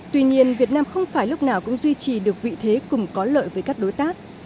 tuy nhiên việt nam không phải lúc nào cũng duy trì được vị thế cùng có lợi với các đối tác